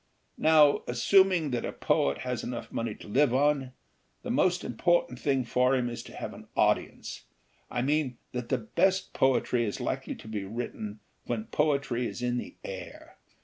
Now, assum ing that a poet has enough money to live on, the most important thing for him to have is an au dience. I mean that the best poetry is likely to be written when poetry is in the air.